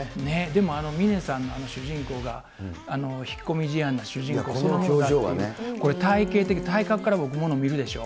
でも峰さんの主人公が、引っ込み思案な主人公そのものだっていう、これ、体形的、体格から僕、もの見るでしょ。